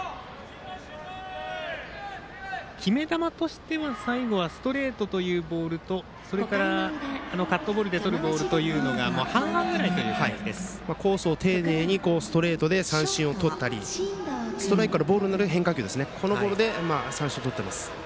決め球としては最後はストレートというボールとそれから、カットボールでとるボールというのがコースを丁寧にストレートで三振をとったりストライクからボールになる変化球でこのボールで三振をとってます。